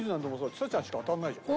ちさちゃんしか当たらないじゃん。